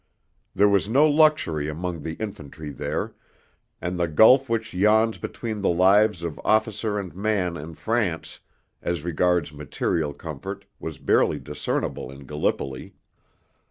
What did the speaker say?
There was no luxury among the infantry there, and the gulf which yawns between the lives of officer and man in France as regards material comfort was barely discernible in Gallipoli.